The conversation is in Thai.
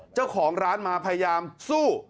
เจ้าของร้านมาพยายามสู้